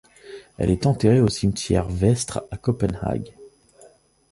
Elle est enterrée au cimetière Vestre à Copenhague.